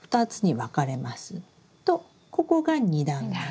とここが２段目。